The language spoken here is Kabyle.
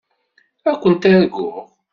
Ad kent-arguɣ.